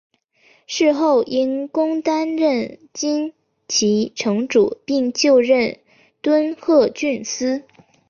事后因公担任金崎城主并就任敦贺郡司。